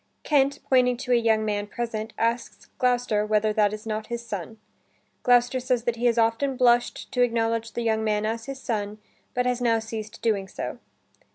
Kent, pointing to a young man present, asks Gloucester whether that is not his son. Gloucester says that he has often blushed to acknowledge the young man as his son, but has now ceased doing so.